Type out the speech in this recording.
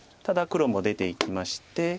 ただ黒も出ていきまして。